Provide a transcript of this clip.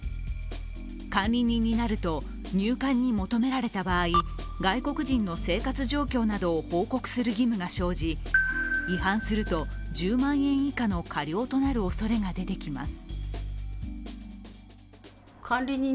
監理人になると入管に求められた場合外国人の生活状況などを報告する義務が生じ、違反すると１０万円以下の過料となるおそれが出てきます。